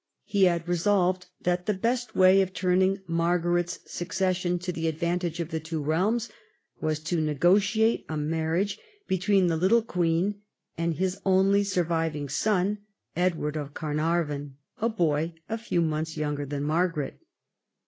He resolved that the best way of 168 EDWARD I chap. turning Margaret's succession to the advantage of the two realms, was to negotiate a marriage between the little queen and his only surviving son, Edward of Carnarvon, a boy a few months younger than Margaret.